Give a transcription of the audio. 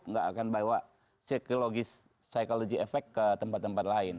nggak akan bawa psikologi efek ke tempat tempat lain